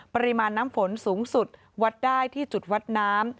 ปริมาณน้ำฝนสูงสุดวัดได้ที่จุดวัดน้ำ